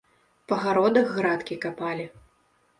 Па гародах градкі капалі.